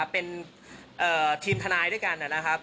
เป็นทีมทนายด้วยกันนะครับ